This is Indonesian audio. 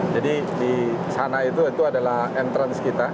jadi di sana itu adalah entrance kita